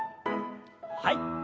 はい。